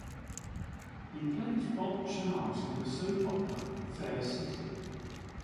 He plays Bob Charles in the soap opera "Fair City".